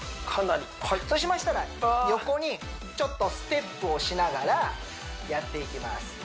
かなりはいそうしましたら横にちょっとステップをしながらやっていきます